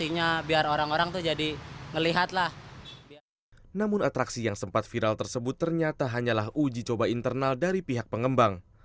namun atraksi yang sempat viral tersebut ternyata hanyalah uji coba internal dari pihak pengembang